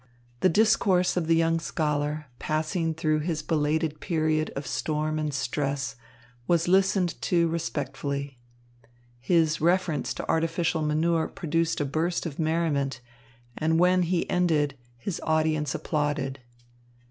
'" The discourse of the young scholar, passing through his belated period of storm and stress, was listened to respectfully. His reference to artificial manure produced a burst of merriment, and when he ended, his audience applauded.